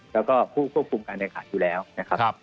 แล้วก็ผู้ควบคุมการแข่งขันอยู่แล้วนะครับ